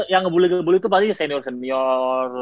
yang ngebully ngebully tuh pasti senior senior